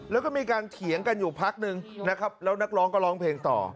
แล้วก็มีการเถียงกันอยู่พักนึงนะครับแล้วนักร้องก็ร้องเพลงต่อ